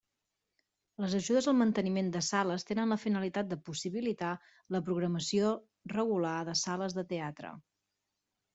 Les ajudes al manteniment de sales tenen la finalitat de possibilitar la programació regular en sales de teatre.